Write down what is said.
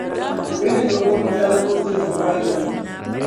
bee n-zaŋ o nutali buɣisi sagbana yɛliŋ.